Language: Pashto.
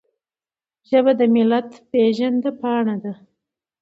ژبه د ملت پیژند پاڼه ده.